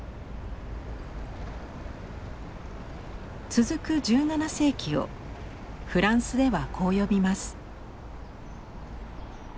続く１７世紀をフランスではこう呼びます。